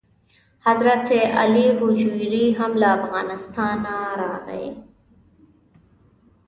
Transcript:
حضرت علي هجویري هم له افغانستانه راغلی و.